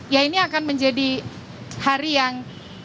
ya ini akan menjadi hari yang